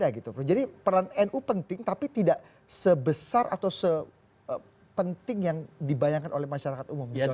apakah itu sepenting yang dibayangkan oleh masyarakat umum di jawa timur